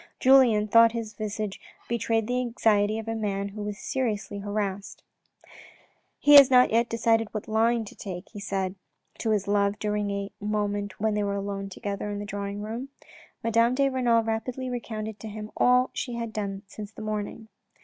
Julien thought his visage betrayed the anxiety of a man who was seriously harassed. " He has not yet decided what line to take," he said to his love during a moment when they were alone together in the drawing room. Madame de Renal rapidly recounted to him all she had done since the morning.